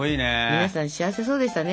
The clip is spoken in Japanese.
皆さん幸せそうでしたね